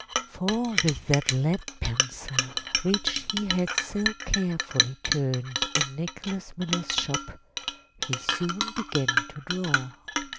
For with that lead pencil which he had so carefully turned in Nicholas Miller's shop he soon began to draw.